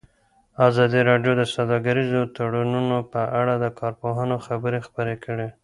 ازادي راډیو د سوداګریز تړونونه په اړه د کارپوهانو خبرې خپرې کړي.